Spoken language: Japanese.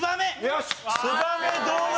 ツバメどうだ？